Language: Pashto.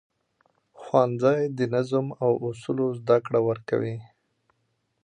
ښوونځی د نظم او اصولو زده کړه ورکوي